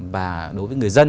và đối với người dân